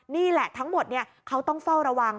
นี่แหละทั้งหมดเขาต้องเฝ้าระวัง